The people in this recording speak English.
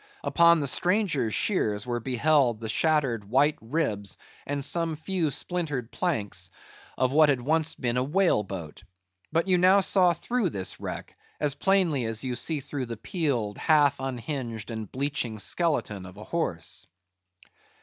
Upon the stranger's shears were beheld the shattered, white ribs, and some few splintered planks, of what had once been a whale boat; but you now saw through this wreck, as plainly as you see through the peeled, half unhinged, and bleaching skeleton of a horse.